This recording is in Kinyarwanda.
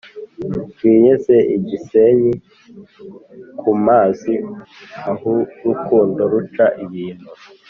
twiyizere igisenyi kumazi ahurukundo ruca ibintu